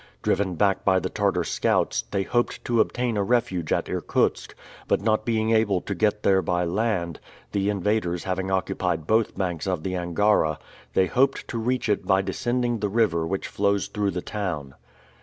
Driven back by the Tartar scouts, they hoped to obtain a refuge at Irkutsk, but not being able to get there by land, the invaders having occupied both banks of the Angara, they hoped to reach it by descending the river which flows through the town.